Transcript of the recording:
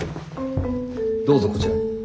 どうぞこちらへ。